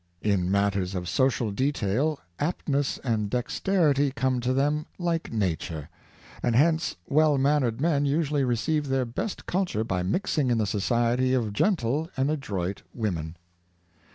In matters of social detail aptness and dexterity come to them like nature; and hence well mannered men usually receive their best culture by mixing in the society of gentle and adroit women.